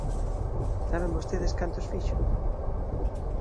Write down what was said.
¿Saben vostedes cantos fixo?